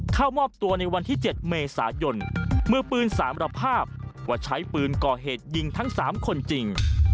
เข้ามอบตัวในวันที่๗เมษายนมือปืนสารภาพว่าใช้ปืนก่อเหตุยิงทั้ง๓คนจริง